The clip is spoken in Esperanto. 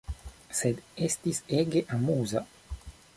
Sed, estis ege amuza.